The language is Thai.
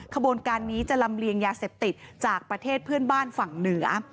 ขบวนการนี้จะลำเลียงยาเสพติดจากประเทศเพื่อนบ้านฝั่งเหนือ